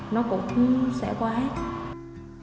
nó cũng sẽ qua hết